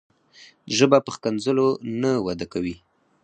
ژبه په ښکنځلو نه وده کوي.